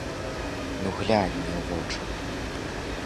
Ну, глянь мне ў вочы.